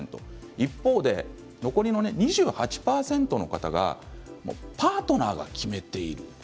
一方で残りの２８％の方がパートナーが決めている。